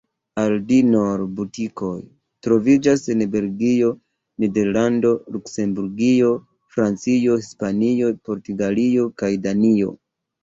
Aldi-Nord butikoj troviĝas en Belgio, Nederlando, Luksemburgio, Francio, Hispanio, Portugalio kaj Danio.